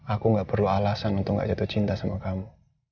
aku gak perlu alasan untuk gak jatuh cinta sama kamu